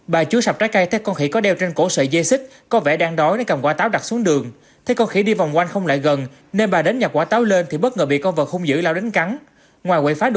bà chúa sạp trái cây thấy con khỉ có đeo trên cổ sợi dây xích có vẻ đang đói nên cầm quả táo đặt xuống đường